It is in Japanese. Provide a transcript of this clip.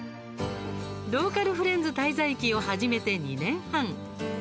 「ローカルフレンズ滞在記」を始めて２年半。